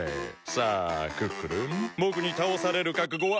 さあクックルンぼくにたおされるかくごは。